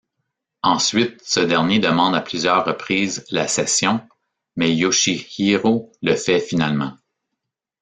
Ensuite, ce dernier demande à plusieurs reprises la cession, mais Yoshihiro le fait finalement.